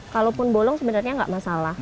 kalaupun bolong sebenarnya nggak masalah